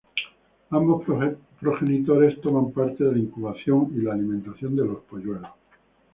Ambos progenitores toman parte de la incubación y la alimentación de los polluelos.